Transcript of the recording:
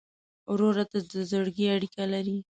ورور ته د زړګي اړیکه لرې.